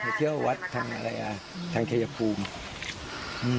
ไปเที่ยววัดทางอะไรอ่ะทางเทยภูมิ